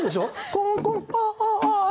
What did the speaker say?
コンコン。